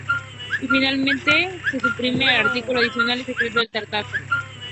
Y finalmente, se suprime el artículo adicional y secreto del Tratado.